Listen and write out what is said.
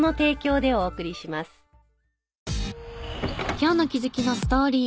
今日の気づきのストーリー。